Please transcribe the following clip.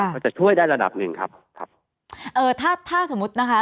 ก็จะช่วยได้ระดับหนึ่งครับครับเอ่อถ้าถ้าสมมุตินะคะ